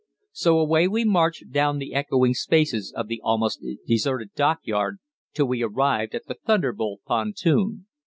So away we marched down the echoing spaces of the almost deserted dockyard till we arrived at the 'Thunderbolt' pontoon.